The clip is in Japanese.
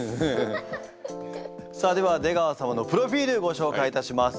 さあでは出川様のプロフィールご紹介いたします。